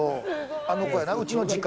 あの子やな？